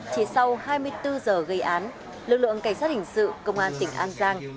chỉ sau hai mươi bốn giờ gây án lực lượng cảnh sát hình sự công an tỉnh an giang